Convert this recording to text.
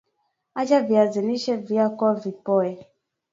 Acha viazi lishe vyako vipoe